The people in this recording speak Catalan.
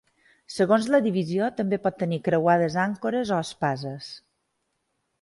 Segons la divisió també pot tenir creuades àncores o espases.